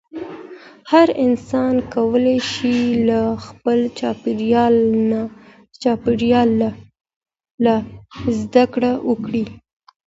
هر انسان کولی شي له خپل چاپېریاله زده کړه وکړي.